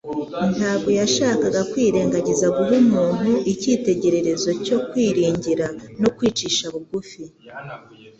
Ntabwo yashakaga kwirengagiza guha umuntu icyitegererezo cyo kwiringira no kwicisha bugufi,